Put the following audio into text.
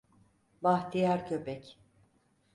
Bahtiyar Köpek.